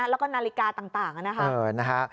แล้วก็นาฬิกาต่างนะครับ